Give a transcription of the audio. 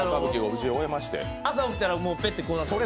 朝起きたらペッてこうなってました。